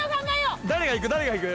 誰がいく？